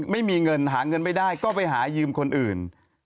ไม่มีเงินหาเงินไม่ได้ก็ไปหายืมคนอื่น